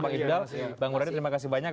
bang iddal bang udari terima kasih banyak